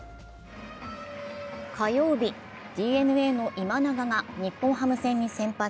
火曜日、ＤｅＮＡの今永が日本ハム戦に先発。